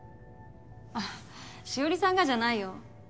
紫織さんがじゃないよ？